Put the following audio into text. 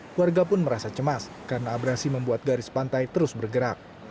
keluarga pun merasa cemas karena abrasi membuat garis pantai terus bergerak